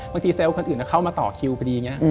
บางทีเซลล์คนอื่นเข้ามาต่อคิวไปดี